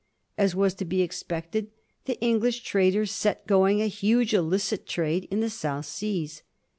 As was to be expected, the English traders set going a huge illicit trade in the South Seas.